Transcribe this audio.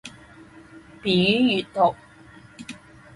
便于阅读